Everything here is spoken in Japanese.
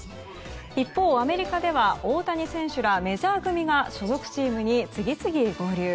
一方、アメリカでは大谷選手らメジャー組が所属チームに次々合流。